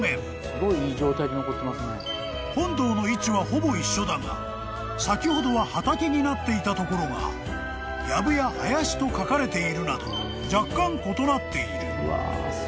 ［本堂の位置はほぼ一緒だが先ほどは畑になっていた所がやぶや林と書かれているなど若干異なっている］